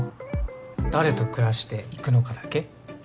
誰と暮らしていくのかだけ。